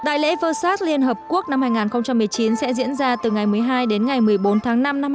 đại lễ vê sắc liên hợp quốc năm hai nghìn một mươi chín sẽ diễn ra từ ngày một mươi hai đến ngày một mươi bốn tháng năm